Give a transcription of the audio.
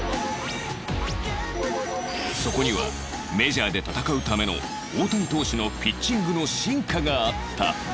そこにはメジャーで戦うための大谷投手のピッチングの進化があった